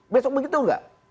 besok begitu enggak